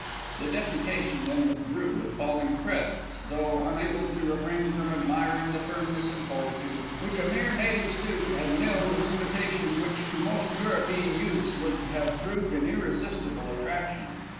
The deputation then withdrew with falling crests, though unable to refrain from admiring the firmness and fortitude which a mere Native student had nilled an invitation which to most European youths would have proved an irresistible attraction.